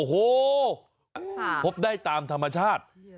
โอ้โหพบได้ตามธรรมชาติ